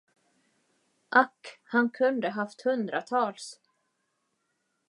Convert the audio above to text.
Ack, han kunde haft hundratals.